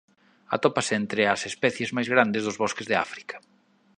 Atópase entre as especies máis grandes dos bosques de África.